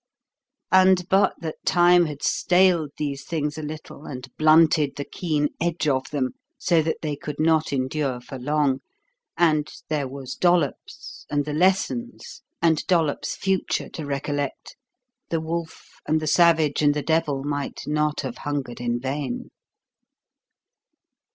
And but that Time had staled these things a little and blunted the keen edge of them so that they could not endure for long, and there was Dollops and the lessons and Dollops' future to recollect, the Wolf and the Savage and the Devil might not have hungered in vain.